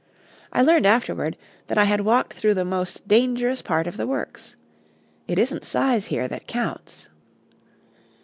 I learned afterward that I had walked through the most dangerous part of the works; it isn't size here that counts.